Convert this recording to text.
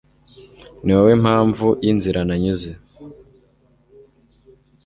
Ni wowe mpamvu yinzira nanyuze